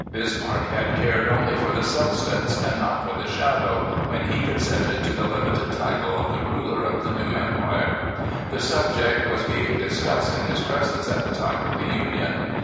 Bismarck had cared only for the substance, and not for the shadow, when he consented to the limited title of the ruler of the new Empire. The subject was being discussed in his presence at the time of the union.